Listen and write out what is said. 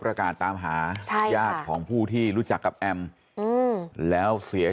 ประกาศตามหาใช่ญาติของผู้ที่รู้จักกับแอมแล้วเสีย